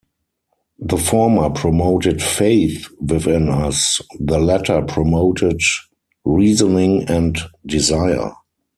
The former promoted faith within us, the latter promoted reasoning and desire.